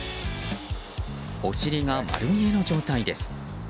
お尻が丸見えの状態です。